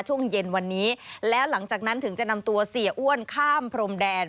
ช่วงเย็นวันนี้แล้วหลังจากนั้นถึงจะนำตัวเสียอ้วนข้ามพรมแดน